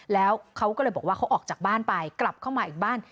แล้วเขาก็เลยบอกว่าเขาออกจากบ้านไปกลับเข้ามาอีกบ้าน